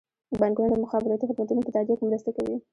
بانکونه د مخابراتي خدمتونو په تادیه کې مرسته کوي.